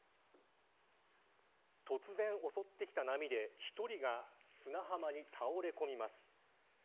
突然襲ってきた波で１人が砂浜に倒れ込みます。